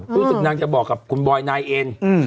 รู้สึกนางจะบอกกับคุณบอยนายเอ็น